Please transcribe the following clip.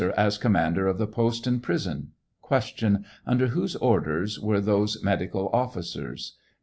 As commander of the post and prisou. Q. Under whose orders were those medical officers